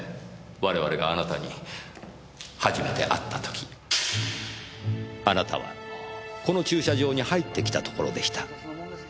我々があなたに初めて会った時あなたはこの駐車場に入ってきたところでした。